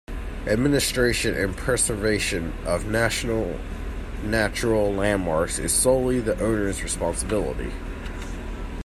Administration and preservation of National Natural Landmarks is solely the owner's responsibility.